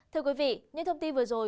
thưa quý vị những thông tin vừa rồi